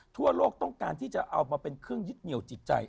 ทั่วโลกต้องการที่จะเอามาเป็นเครื่องยึดเหนียวจิตใจ